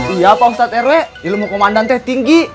iya pausat rw ilmu komandante tinggi